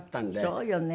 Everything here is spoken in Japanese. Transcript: そうよね。